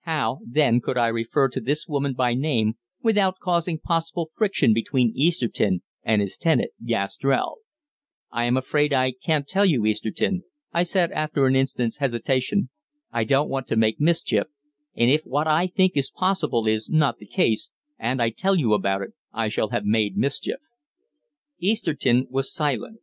How, then, could I refer to this woman by name without causing possible friction between Easterton and his tenant, Gastrell? "I am afraid I can't tell you, Easterton," I said after an instant's hesitation. "I don't want to make mischief, and if what I think is possible is not the case, and I tell you about it, I shall have made mischief." Easterton was silent.